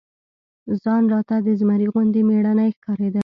ځان راته د زمري غوندي مېړنى ښکارېده.